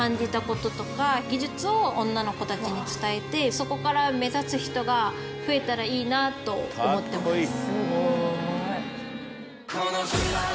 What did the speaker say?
そこから目指す人が増えたらいいなと思ってます。